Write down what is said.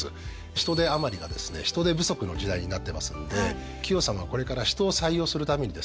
人手余りがですね人手不足の時代になってますんで企業さんがこれから人を採用するためにですね